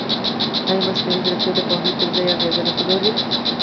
ایا مصنوعي ځیرکتیا د پوهاوي پر ځای اغېز نه پلوري؟